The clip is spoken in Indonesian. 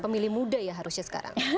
pemilih muda ya harusnya sekarang